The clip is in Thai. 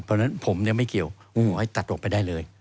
เพราะฉะนั้นผมไม่เกี่ยวงูให้ตัดออกไปได้เลย